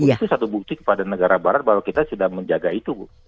itu satu bukti kepada negara barat bahwa kita sudah menjaga itu bu